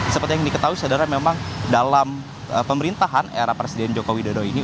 seperti yang diketahui saudara memang dalam pemerintahan era presiden joko widodo ini